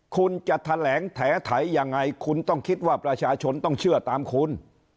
คุณจะแถลงแถยังไงคุณต้องคิดว่าประชาชนต้องเชื่อตามคุณ